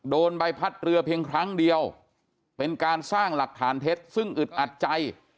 โดนใบพัดเรือเพียงครั้งเดียวเป็นการสร้างหลักฐานเท็จซึ่งอึดอัดใจ